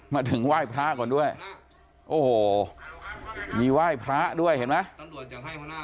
มาถึงไหว้พระก่อนด้วยโอ้โหมีไหว้พระด้วยเห็นไหม